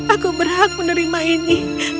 aku berhak menerima ini